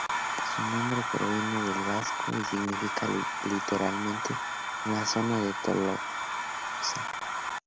Su nombre proviene del vasco y significa literalmente "la zona de Tolosa".